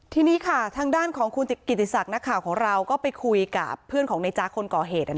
ทีนี้ค่ะทางด้านของคุณกิติศักดิ์นักข่าวของเราก็ไปคุยกับเพื่อนของในจ๊ะคนก่อเหตุ